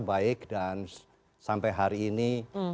baik dan sampai hari ini